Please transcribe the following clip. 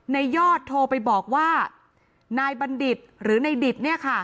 นายยอดโทรไปบอกว่านายบัณฑิตหรือนายดิต